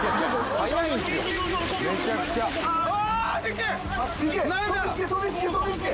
うわ！